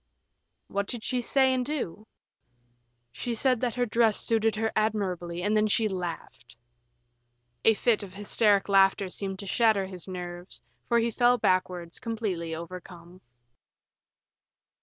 "What did she say and do?" "She said that her dress suited her admirably, and then she laughed." A fit of hysteric laughter seemed to shatter his nerves, for he fell backwards, completely overcome.